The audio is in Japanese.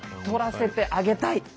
取らせてあげたい！